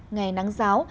ngày nắng giáo